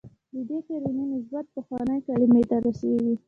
د دې کلمې نسب پخوانۍ کلمې ته رسېږي.